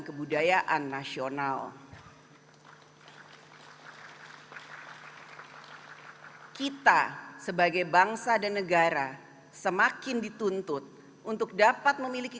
kebudayaan nasional kita sebagai bangsa dan negara semakin dituntut untuk dapat memiliki